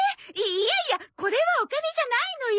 いやいやこれはお金じゃないのよ。